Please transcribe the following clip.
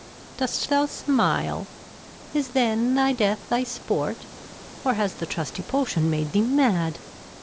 Dost thou Smile ? Is then thy Death thy Sport ? Or has the trusty Potion made thee mad